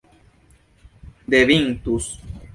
devintus